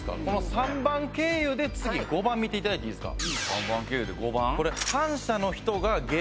３番経由で次５番見ていただいていいですか。